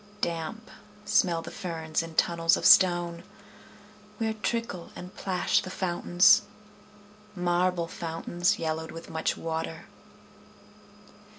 Damp smell the ferns in tunnels of stone, Where trickle and plash the fountains, Marble fountains, yellowed with much water.